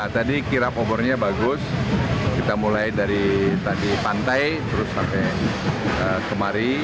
tadi kirap obornya bagus kita mulai dari tadi pantai terus sampai kemari